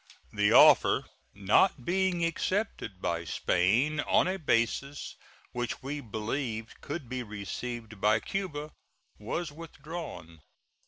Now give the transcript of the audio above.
The offer, not being accepted by Spain on a basis which we believed could be received by Cuba, was withdrawn.